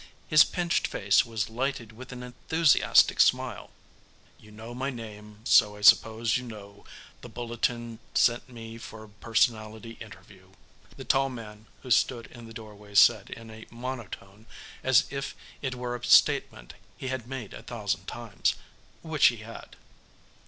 His pinched face was lighted with an enthusiastic smile. "You know my name, so I suppose you know the Bulletin sent me for a personality interview," the tall man who stood in the doorway said in a monotone as if it were a statement he had made a thousand times which he had.